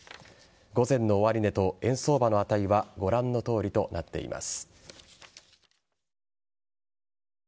午前の終値と円相場の値はご覧のとおりとなっています。